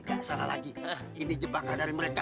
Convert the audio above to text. gak salah lagi ini jebakan dari mereka